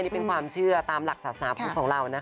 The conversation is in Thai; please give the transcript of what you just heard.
นี่เป็นความเชื่อตามหลักศาสนาพุทธของเรานะคะ